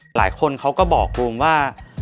หลายคนเขาก็บอกบูมว่า